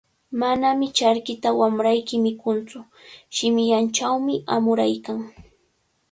Manami charkita wamrayki mikuntsu, shimillanchawmi amuraykan.